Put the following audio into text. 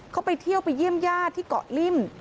เขาไปเที่ยวไปเยี่ยมญาติที่เกาะลิ่ม